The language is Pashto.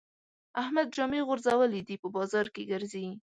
احمد جامې غورځولې دي؛ په بازار کې ګرځي.